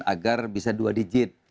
agar bisa dua digit